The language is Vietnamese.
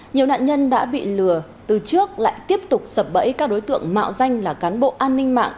nhiều nạn nhân đã bị lừa từ trước lại tiếp tục sập bẫy các đối tượng mạo danh là cán bộ an ninh mạng